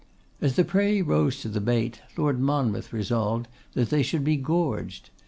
As the prey rose to the bait, Lord Monmouth resolved they should be gorged.